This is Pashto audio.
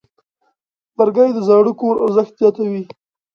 لرګی د زاړه کور ارزښت زیاتوي.